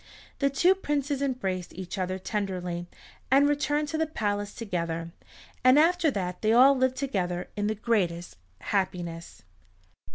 The two princes embraced each other tenderly, and returned to the palace together, and after that they all lived together in the greatest happiness.